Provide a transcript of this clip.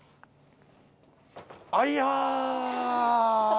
あいや。